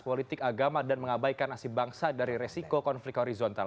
politik agama dan mengabaikan asli bangsa dari resiko konflik horizontal